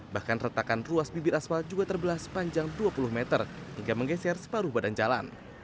bahkan retakan ruas bibir aspal juga terbelah sepanjang dua puluh meter hingga menggeser separuh badan jalan